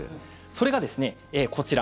それがこちら。